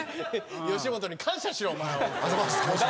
吉本に感謝しろお前。